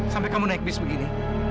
sampai kamu naik bis begini